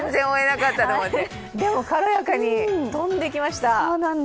でも軽やかに飛んでいきました。